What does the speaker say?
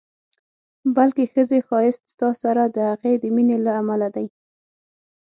بلکې ښځې ښایست ستا سره د هغې د مینې له امله دی.